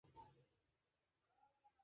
গুহায় লাফ দাও!